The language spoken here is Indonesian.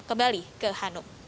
kembali ke hanum